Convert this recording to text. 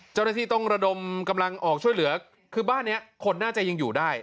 เจ้าหน้าที่ต้องระดมกำลังออกช่วยเหลือคือบ้านนี้คนน่าจะยังอยู่ได้